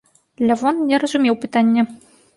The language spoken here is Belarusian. Лявон не разумеў пытання.